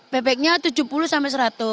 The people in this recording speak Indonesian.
bebeknya rp tujuh puluh sampai seratus